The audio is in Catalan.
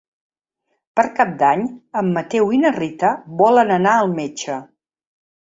Per Cap d'Any en Mateu i na Rita volen anar al metge.